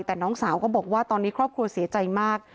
แต่น้องสาวก็บอกว่าตอนนี้ครอบครัวเสียใจมาก